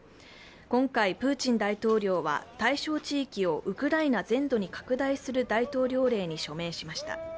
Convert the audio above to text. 今回、プーチン大統領は対象地域をウクライナ全土に拡大する大統領令に署名しました。